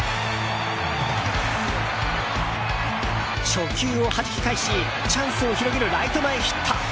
初球をはじき返しチャンスを広げるライト前ヒット。